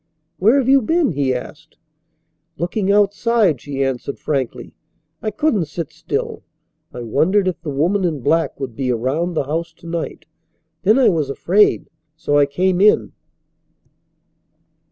"Where have you been?" he asked. "Looking outside," she answered frankly. "I couldn't sit still. I wondered if the woman in black would be around the house to night. Then I was afraid, so I came in."